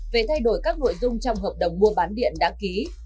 về thay đổi các nội dung trong hợp đồng mua bán điện đã ký